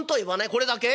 これだけ？